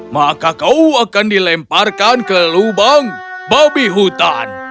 maka kau akan dilemparkan ke lubang babi hutan